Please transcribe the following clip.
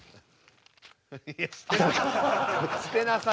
捨てなさい。